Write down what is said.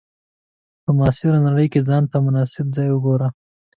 په معاصره نړۍ کې ځان ته مناسب ځای وګورو.